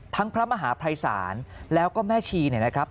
ทั้งพระมหาภัยศาลและก็แม่ชีนะครับ